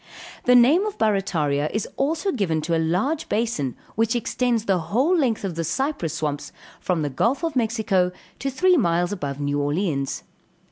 The name of Barrataria is also given to a large basin which extends the whole length of the cypress swamps, from the Gulf of Mexico to three miles above New Orleans.